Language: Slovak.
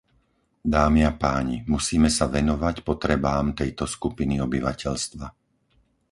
Dámy a páni, musíme sa venovať potrebám tejto skupiny obyvateľstva.